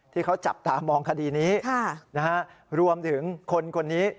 ที่เขาจับตามองคดีนี้รวมถึงคนคนนี้